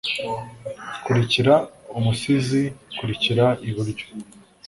kurikira, umusizi, kurikira iburyo